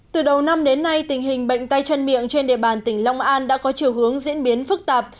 từ đầu năm đến nay tình hình bệnh tay chân miệng trên địa bàn tỉnh long an đã có chiều hướng diễn biến phức tạp